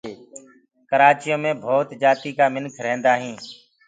ڪرآچيو مي ڀوت جآتيٚ ڪآ منک ريهدآ هينٚ